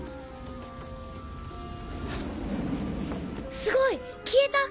すごい！消えた！